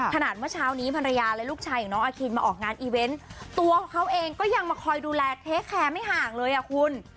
เมื่อเช้านี้ภรรยาและลูกชายของน้องอาคินมาออกงานอีเวนต์ตัวของเขาเองก็ยังมาคอยดูแลเทคแคร์ไม่ห่างเลยอ่ะคุณ